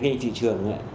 cái thị trường